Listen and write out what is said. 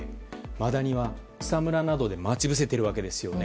マダニは草むらなどで待ち伏せているわけですよね。